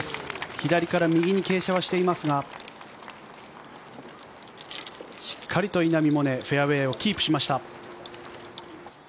左から右に傾斜はしていますがしっかりと稲見萌寧フェアウェーをキープしました。